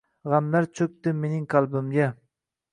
Gʻamlar choʻkdi mening qalbimga